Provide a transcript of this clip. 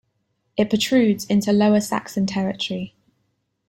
It protrudes into Lower Saxon territory.